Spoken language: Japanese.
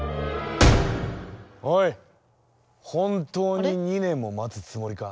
本当に２年も待つつもりか？